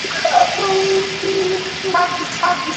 এটি মস্তিষ্ককে দীর্ঘক্ষণ জাগিয়ে রাখে এবং সহজে ঘুম আসতে চায় না।